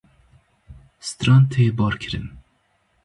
stran tê barkirin.